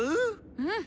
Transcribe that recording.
うん！